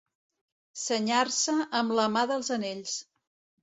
Senyar-se amb la mà dels anells.